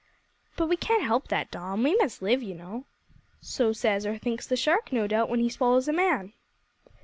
"But we can't help that Dom. We must live, you know." "So says or thinks the shark, no doubt, when he swallows a man."